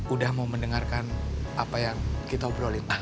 udah mau mendengarkan apa yang kita obrolin